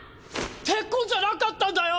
⁉鉄コンじゃなかったんだよ！